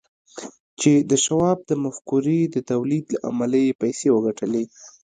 چې د شواب د مفکورې د توليد له امله يې پيسې وګټلې.